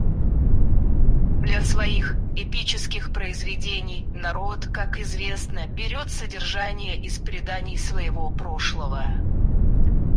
Для своих эпических произведений народ, как известно, берет содержание из преданий своего прошлого.